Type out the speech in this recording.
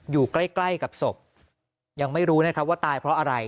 อยู่ใกล้ใกล้กับศพยังไม่รู้นะครับว่าตายเพราะอะไร